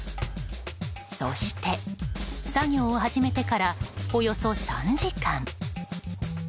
そして、作業を始めてからおよそ３時間。